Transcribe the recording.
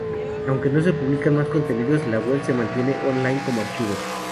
Aunque no se publican más contenidos, la web se mantiene online como archivo.